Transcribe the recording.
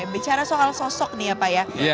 bicara soal sosok nih ya pak ya